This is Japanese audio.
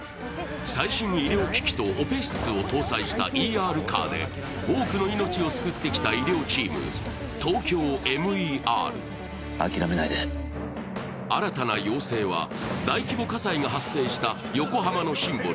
最新医療機器とオペ室を搭載したＥＲカーで多くの命を救ってきた医療チームＴＯＫＹＯＭＥＲ・諦めないで新たな要請は大規模火災が発生した横浜のシンボル